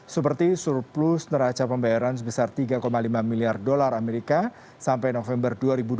seperti surplus neraca pembayaran sebesar tiga lima miliar dolar amerika sampai november dua ribu dua puluh